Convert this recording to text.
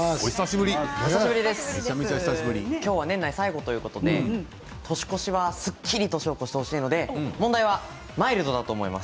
きょうは最後ということで年越しはすっきりとしていただきたいので問題はマイルドだと思います。